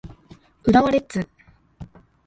浦和レッズ